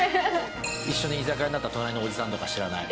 一緒に居酒屋で会った隣のおじさんとか知らない。